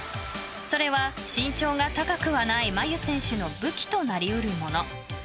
それは身長が高くはない真佑選手の武器となり得るもの。